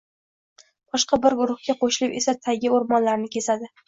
boshqa bir guruhga qoʻshilib esa tayga oʻrmonlarida kezadi